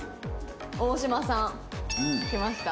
大島さん来ました。